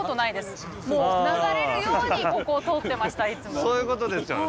本当にそういうことですよね。